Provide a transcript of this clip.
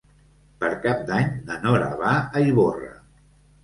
Per Cap d'Any na Nora va a Ivorra.